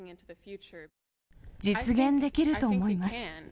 実現できると思います。